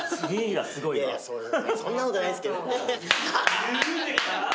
すごいわ。